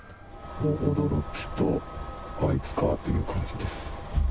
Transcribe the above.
驚きと、あいつかという感じです。